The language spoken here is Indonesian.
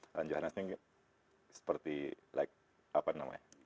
alan johannes ini seperti apa namanya god